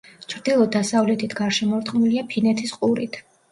ჩრდილო-დასავლეთით გარშემორტყმულია ფინეთის ყურით.